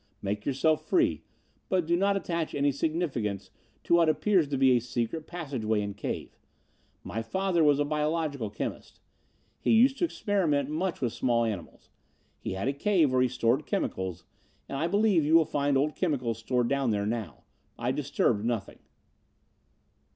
Make yourself free, but do not attach any significance to what appears to be a secret passageway and cave. My father was a biological chemist. He used to experiment much with small animals. He had a cave where he stored chemicals, and I believe you will find old chemicals stored down there now. I disturbed nothing."